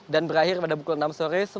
dan berakhir pada pukul enam sore